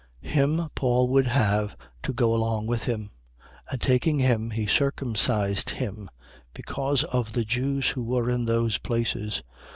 16:3. Him Paul would have to go along with him: and taking him, he circumcised him, because of the Jews who were in those places.